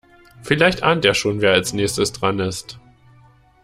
Vielleicht ahnt er schon, wer als nächstes dran ist.